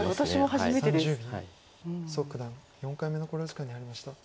蘇九段４回目の考慮時間に入りました。